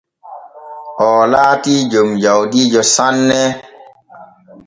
Oo laatii jom jawdi sanne.